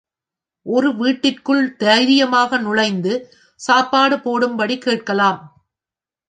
ஒரு வீட்டிற்குள் தைரியமாக நுழைந்து சாப்பாடு போடும்பபடிக் கேட்கலாம்.